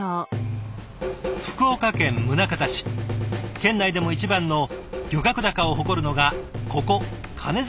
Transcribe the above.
県内でも一番の漁獲高を誇るのがここ鐘崎港です。